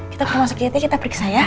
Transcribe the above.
kita ke rumah sakit kita periksa ya